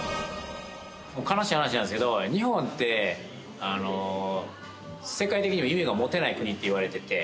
悲しい話なんですけど日本って世界的にも夢が持てない国って言われてて。